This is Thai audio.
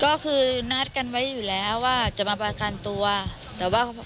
ก็คือนัดกันไว้อยู่แล้วว่าจะมาประกันตัวแต่ว่า